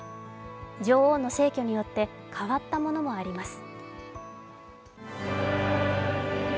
女王の逝去によって変わったものもあります。